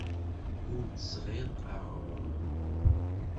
Ur d-tesɣiḍ aɣrum.